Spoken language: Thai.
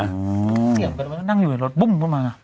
เกี่ยวกันไว้นั่งอยู่ในรถปุ้มปึ้มมา